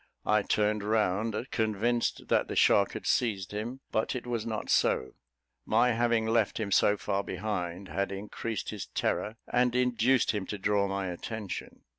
I turned round, convinced that the shark had seized him, but it was not so; my having left him so far behind had increased his terror, and induced him to draw my attention.